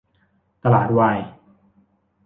ตลาดวาย